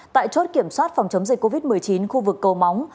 tại chốt kiểm soát phòng chống dịch covid một mươi chín khu vực cầu móng